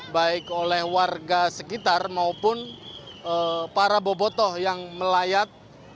baik oleh warga sekitar maupun para bobotoh yang melayat